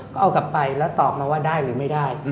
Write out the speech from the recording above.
ก็เอากลับไปแล้วตอบมาว่าได้หรือไม่ได้